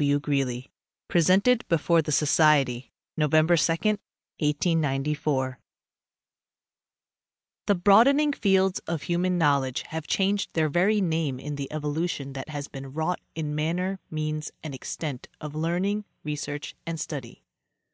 W. GREELY (Presented before the Society November 2, 1894) The broadening fields of human knowledge haye changed their very name in the evolution that has been wrought in man ner, means and extent of learning, research and study.